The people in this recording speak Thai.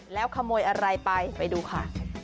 แล้วขโมยอะไรไปไปดูค่ะ